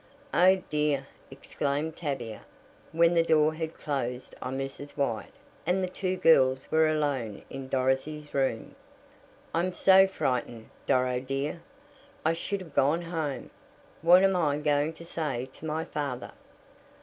"Oh, dear!" exclaimed Tavia, when the door had closed on Mrs. White and the two girls were alone in Dorothy's room, "I'm so frightened, Doro, dear. I should have gone home. What am I going to say to my father?"